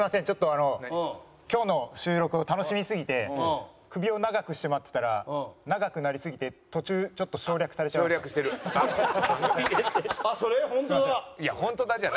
ちょっとあの今日の収録楽しみすぎて首を長くして待ってたら長くなりすぎて途中ちょっと省略されちゃいました。